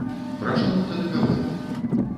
Пра што мы тады гаворым?